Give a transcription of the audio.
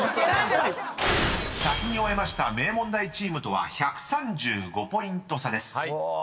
［先に終えました名門大チームとは１３５ポイント差です］